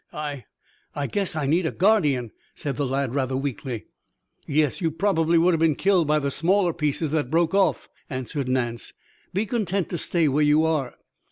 "I I guess I need a guardian," said the lad rather weakly. "Yes, you probably would have been killed by the smaller pieces that broke off," answered Nance. "Be content to stay where you are."